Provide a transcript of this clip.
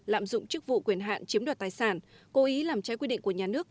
lạm dụng chức vụ quyền hạn chiếm đoạt tài sản cố ý làm trái quy định của nhà nước